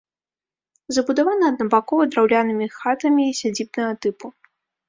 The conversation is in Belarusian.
Забудавана аднабакова драўлянымі хатамі сядзібнага тыпу.